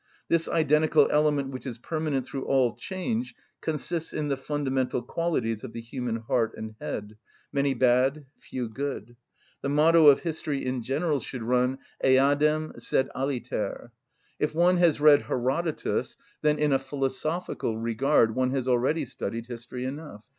This identical element which is permanent through all change consists in the fundamental qualities of the human heart and head—many bad, few good. The motto of history in general should run: Eadem, sed aliter. If one has read Herodotus, then in a philosophical regard one has already studied history enough.